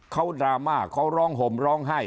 เขาดราม่าเขาร้องห่มร้องไห้